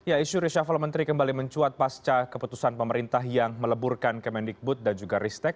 ya isu reshuffle menteri kembali mencuat pasca keputusan pemerintah yang meleburkan kemendikbud dan juga ristek